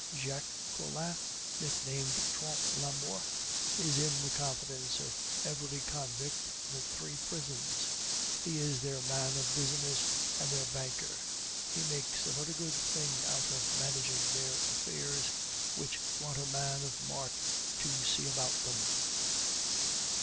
Jacques Collin, nicknamed Trompe la Mort, is in the confidence of every convict in the three prisons; he is their man of business and their banker. He makes a very good thing out of managing their affairs, which want a man of mark to see about them."